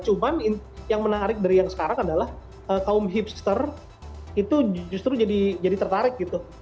cuma yang menarik dari yang sekarang adalah kaum hipster itu justru jadi tertarik gitu